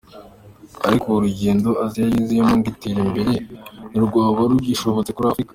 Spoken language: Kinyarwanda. Ariko urugendo Aziya yanyuzemo ngo itere imbere ntirwaba rugishobotse kuri Afurika.